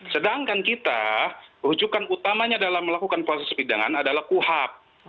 sedangkan kita rujukan utamanya dalam melakukan proses pidangan adalah kuhap